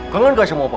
kangen gak sama opa